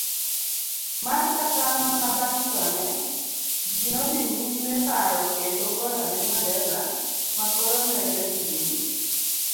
mar Kata manabang' thone, jine odhi nyimeparo kendo goyone Mandela, makoro nejahigini